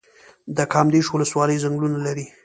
د کامدیش ولسوالۍ ځنګلونه لري